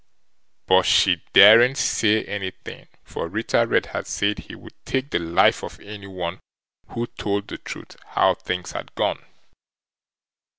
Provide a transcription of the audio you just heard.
But she daredn't say anything, for Ritter Red had said he would take the life of any one who told the truth how things had gone.